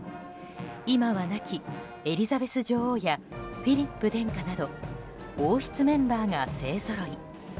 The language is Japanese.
今は亡きエリザベス女王やフィリップ殿下など王室メンバーが勢ぞろい。